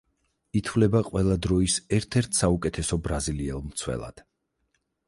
ითვლება ყველა დროის ერთ-ერთ საუკეთესო ბრაზილიელ მცველად.